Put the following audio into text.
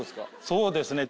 そうですね。